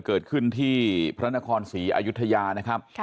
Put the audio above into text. เกิดขึ้นที่พระนครศรีอายุทยานะครับ